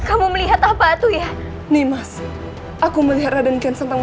air raja wali kian santang